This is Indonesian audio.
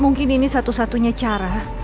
mungkin ini satu satunya cara